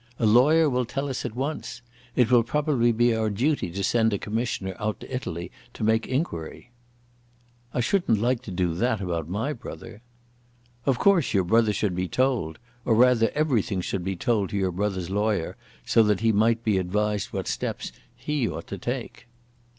A lawyer will tell us at once. It will probably be our duty to send a commissioner out to Italy to make enquiry." "I shouldn't like to do that about my brother." "Of course your brother should be told; or rather everything should be told to your brother's lawyer, so that he might be advised what steps he ought to take.